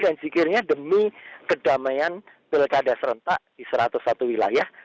dan zikirnya demi kedamaian pilkada serentak di satu ratus satu wilayah